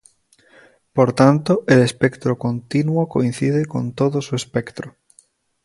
Por tanto, el espectro continuo coincide con todo su espectro.